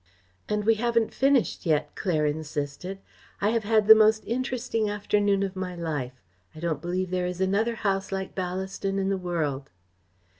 "And we haven't finished yet," Claire insisted. "I have had the most interesting afternoon of my life. I don't believe there is another house like Ballaston in the world."